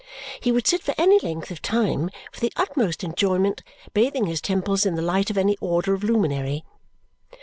He would sit for any length of time, with the utmost enjoyment, bathing his temples in the light of any order of luminary.